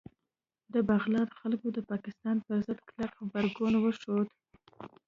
د بغلان خلکو د پاکستان پر ضد کلک غبرګون وښود